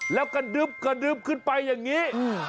แล้วก็ดึ๊บกระดึ๊บขึ้นไปอย่างนี้